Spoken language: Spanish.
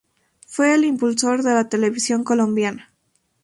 Fue el impulsor de la televisión colombiana.